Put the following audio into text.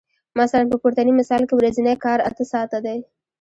مثلاً په پورتني مثال کې ورځنی کار اته ساعته دی